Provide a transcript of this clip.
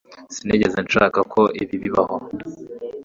Sinigeze nshaka ko ibi bibaho